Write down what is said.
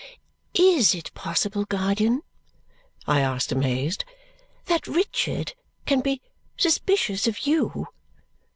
"IS it possible, guardian," I asked, amazed, "that Richard can be suspicious of you?"